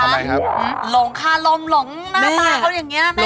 หลงค่ะหลงหน้าตาเขาอย่างนี้แม่ระวังนะ